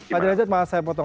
pak derajat malah saya potong